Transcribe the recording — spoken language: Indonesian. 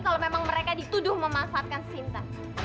kalau memang mereka dituduh memanfaatkan sinta